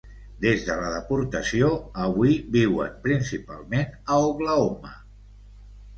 Des de la deportació, avui viuen principalment a Oklahoma.